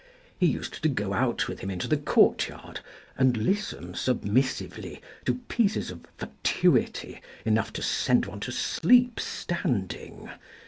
He used to go out with him into the courtyard and listen submissively to pieces of fatuity enough to send one to sleep standing.